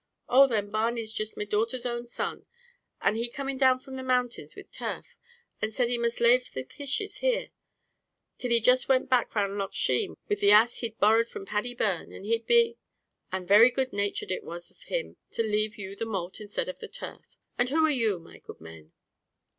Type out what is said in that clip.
"Oh, then, Barney's jist my daughter's own son; and he coming down from the mountains with turf, and said he must lave the kishes here, till he just went back round Loch Sheen with the ass, he'd borrowed from Paddy Byrne, and he'd be " "And very good natured it was of him to leave you the malt instead of the turf; and who are you, my good men?"